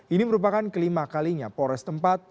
ini merupakan kelima kalinya polres tempat